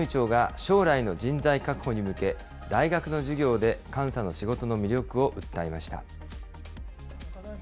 こうした中、金融庁が将来の人材確保に向け、大学の授業で監査の仕事の魅力を訴えました。